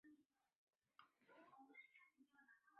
德国教堂是位于瑞典斯德哥尔摩老城的一座教堂。